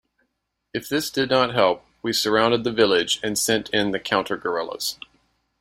If this did not help, we surrounded the village and sent in the counter-guerrillas.